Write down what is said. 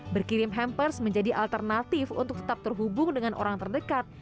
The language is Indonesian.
berkirim hampers menjadi alternatif untuk tetap terhubung dengan orang terdekat